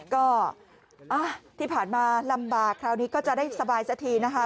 ก็ที่ผ่านมาลำบากคราวนี้ก็จะได้สบายสักทีนะคะ